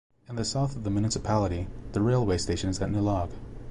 In the south of the municipality the railway station is at Nelaug.